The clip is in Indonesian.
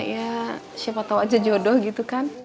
ya siapa tau aja jodoh gitu kan